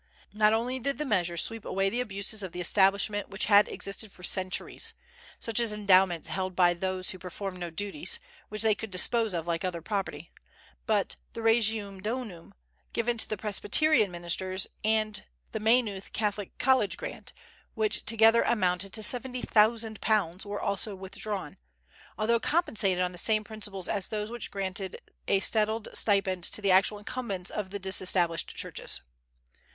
Not only did the measure sweep away the abuses of the Establishment which had existed for centuries, such as endowments held by those who performed no duties, which they could dispose of like other property, but the regium donum given to Presbyterian ministers and the Maynooth Catholic College grant, which together amounted to £70,000, were also withdrawn, although compensated on the same principles as those which granted a settled stipend to the actual incumbents of the disestablished churches.